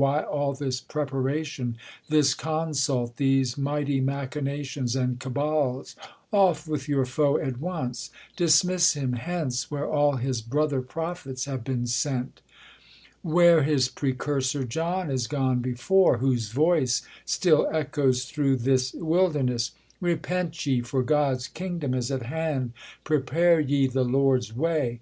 I Why all this preparation, this consult, I These mighty machinations tind'ca)>als ? I Off with your foe at on^c : dismiss liim hence ! Where all his brmhcr ?)ronh« :^: ?'s»\ c Ivc n. seat ; 'Wfeere 208 THE COLUMBIAN ORATOR. Where his precursor John is gone before ; Whose voice still echoes (hroiigh this wilderness, " Repent ye, for God's Idngdom is at hand ! Prepare ye the Lord's way